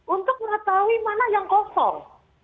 untuk mengetahui mana yang kosong